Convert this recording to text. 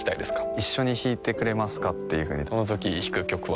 一緒に弾いてくれますかというふうにそのときに弾く曲は？